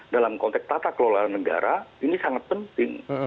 dalam konteks tata kelola negara ini sangat penting